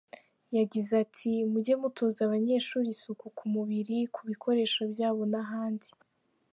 Yagize ati: “Mujye mutoza abanyeshuri isuku ku mubiri, ku bikoresho byabo n’ahandi.